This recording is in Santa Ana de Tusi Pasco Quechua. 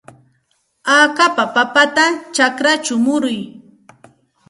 Akapa papata chakrachaw muruy.